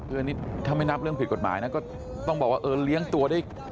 ถ้ายังไม่นับเรื่องผิดกฎหมายก็ต้องบอกว่าเลี้ยงตัวได้